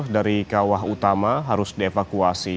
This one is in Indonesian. dari kawah utama harus dievakuasi